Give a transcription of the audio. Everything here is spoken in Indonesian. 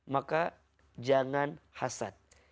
maka jangan hasad